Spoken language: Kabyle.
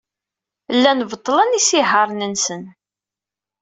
Llan beṭṭlen isihaṛen-nsen.